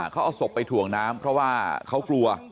เขาเอาศพไปถ่วงน้ำเพราะว่าเขากลัว